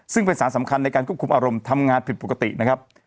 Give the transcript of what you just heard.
ซึ่งเป็นสารสำคัญในการควบคุมอารมณ์ทำงานผิดปกตินะครับ